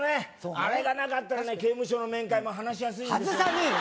あれがなかったらね刑務所の面会も話しやすい外さねえよ